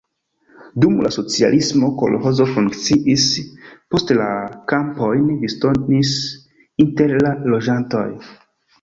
Dum la socialismo kolĥozo funkciis, poste la kampojn disdonis inter la loĝantoj.